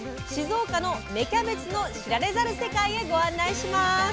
静岡の芽キャベツの知られざる世界へご案内します。